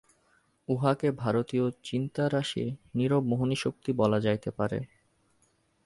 উহাকে ভারতীয় চিন্তারাশির নীরব মোহিনীশক্তি বলা যাইতে পারে।